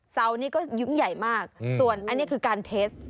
เสานี้ก็ยุ้งใหญ่มากส่วนอันนี้คือการเทส